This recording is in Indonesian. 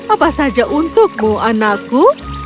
apa saja untukmu anakku